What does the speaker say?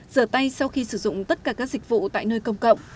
rửa tay sau khi sử dụng tất cả các dịch vụ tại nơi công cộng